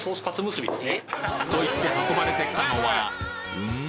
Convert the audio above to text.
と言って運ばれてきたのはん！？